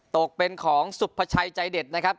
ตกเป็นของสุภาชัยใจเด็ดนะครับ